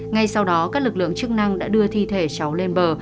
ngay sau đó các lực lượng chức năng đã đưa thi thể cháu lên bờ